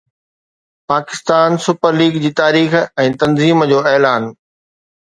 Pakistan super league جي تاريخ ۽ تنظيم جو اعلان